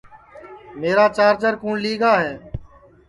میرا چارجر کُوٹؔ لی گا ہے